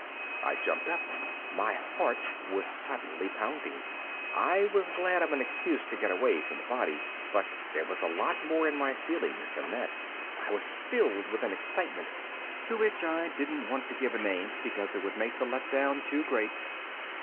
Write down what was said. I jumped up. My heart was suddenly pounding. I was glad of an excuse to get away from the body, but there was a lot more in my feelings than that. I was filled with an excitement to which I didn't want to give a name because it would make the let down too great.